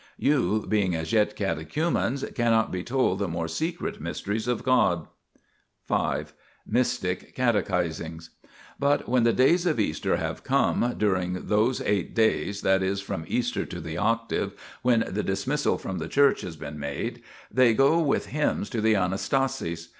You, being as yet cate chumens, cannot be told the more secret mysteries of God." 5. Mystic Catechisings. But when the days of Easter have come, during those ek T ht days, that is, from Easter to the Octave, when the dismissal from the church has been made, they go with hymns to the Anastasis.